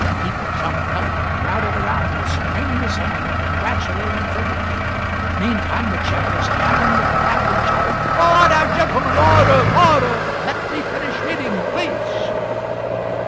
People jumped up and crowded around Wilson, wringing his hand and congratulating fervently meantime the Chair was hammering with the gavel and shouting: "Order, gentlemen! Order! Order! Let me finish reading, please."